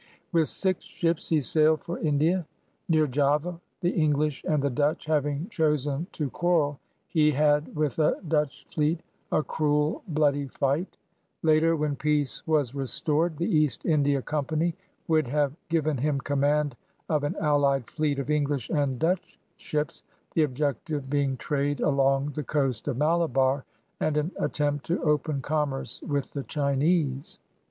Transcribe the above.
With six ships he sailed for India. Near Java, the English and the Dutch having chosen to quarrel, he had with a Dutch fleet "a cruel, bloody fight. ^' Later, rrW^K h ■■^ r ,.—, f»^. Sm THOMAS DALE 77 when peace was restored, the East India Company would have given him command of an allied fleet of English and Dutch ships, the objective be ing trade along the coast of Malabar and an at tempt to open commerce with the Chinese.